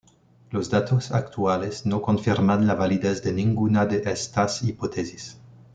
Los datos actuales no confirman la validez de ninguna de estas hipótesis.